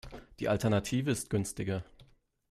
Die Alternative ist günstiger.